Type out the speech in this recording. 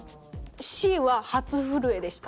Ｃは初震えでした。